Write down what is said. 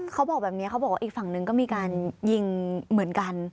เขาบอกแบบนี้เขาบอกว่าอีกฝั่งนึงก็มีการยิงเหมือนกัน